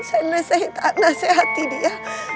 saya nasehati dia